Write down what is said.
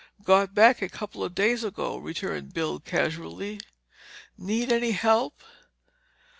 "Got back a couple of days ago," returned Bill casually. "Need any help?"